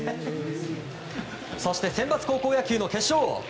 そして、センバツ高校野球の決勝